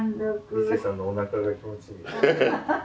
一成さんのおなかが気持ちいい。